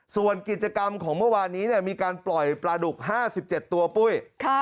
ส่วนกิจกรรมของเมื่อวานนี้มีการปล่อยปลาดุก๕๗ตัวปุ้ย